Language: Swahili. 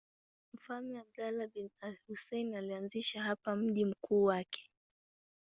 Mfalme Abdullah bin al-Husayn alianzisha hapa mji mkuu wake.